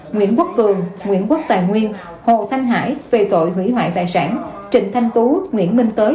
nguyễn quốc tường nguyễn quốc tài nguyên hồ thanh hải